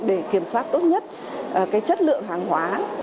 để kiểm soát tốt nhất chất lượng hàng hóa